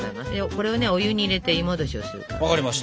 これをねお湯に入れて湯もどしをする感じ。